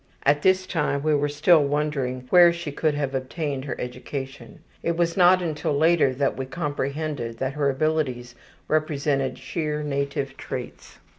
At this time we were still wondering where she could have obtained her education; it was not until later that we comprehended that her abilities represented sheer native traits.